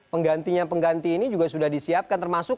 penggantinya pengganti ini juga sudah disiapkan termasuk